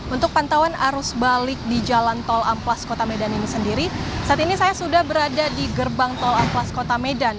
untuk pantauan arus balik di jalan tol amplas kota medan ini sendiri saat ini saya sudah berada di gerbang tol amplas kota medan